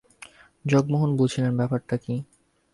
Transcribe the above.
জগমোহন বুঝিলেন ব্যাপারটা কী।